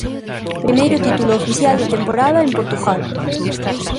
Primeiro título oficial da temporada en Portugal.